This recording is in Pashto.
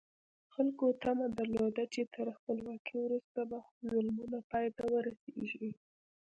خلکو تمه درلوده چې تر خپلواکۍ وروسته به ظلمونه پای ته ورسېږي.